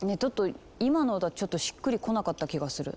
今の歌ちょっとしっくりこなかった気がする。